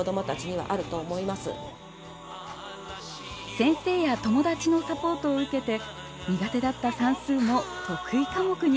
先生や友達のサポートを受けて苦手だった算数も得意科目に。